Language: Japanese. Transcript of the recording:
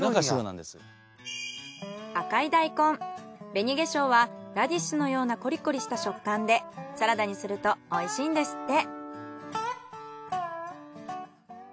赤い大根紅化粧はラディッシュのようなコリコリした食感でサラダにするとおいしいんですって。